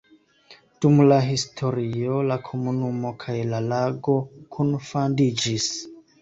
Dum la historio la komunumo kaj la lago kunfandiĝis.